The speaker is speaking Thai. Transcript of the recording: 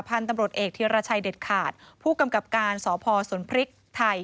พันธุ์ตำรวจเอกธีรชัยเด็ดขาดผู้กำกับการสพสวนพริกไทย